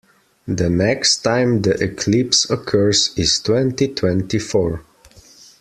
The next time the eclipse occurs is in twenty-twenty-four.